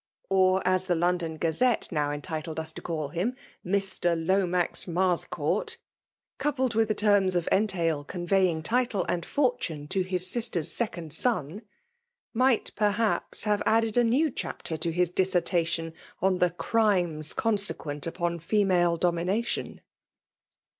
(or as the London 6a aette now entitled us to call him, Mr. Lomax Marscourt), coupled with the terms of entail conTeying title and fortune to his sister^s second son, might perhaps have added anew chapter to his dissertation on the crimes con* sequent upon female domination.